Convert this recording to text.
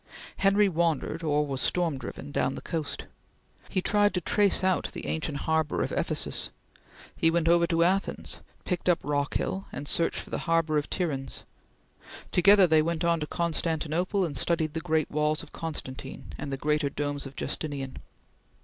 Henry wandered, or was storm driven, down the coast. He tried to trace out the ancient harbor of Ephesus. He went over to Athens, picked up Rockhill, and searched for the harbor of Tiryns; together they went on to Constantinople and studied the great walls of Constantine and the greater domes of Justinian.